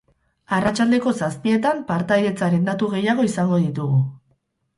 Arratsaldeko zazpietan partaidetzaren datu gehiago izango ditugu.